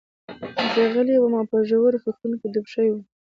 زه غلی وم او په ژورو فکرونو کې ډوب شوی وم